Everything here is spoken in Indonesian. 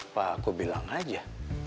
apa aku bilang aja